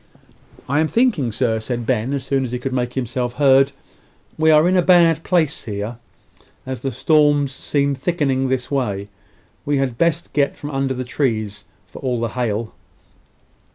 "I'm thinking, sir," said Ben, as soon as he could make himself heard, "we are in a bad place here, as the storm seems thickening this way. We had best get from under the trees, for all the hail."